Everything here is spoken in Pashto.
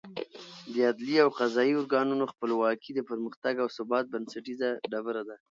د عدلي او قضايي ارګانونو خپلواکي د پرمختګ او ثبات بنسټیزه ډبره ده.